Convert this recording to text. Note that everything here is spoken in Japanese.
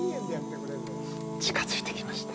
近づいてきました。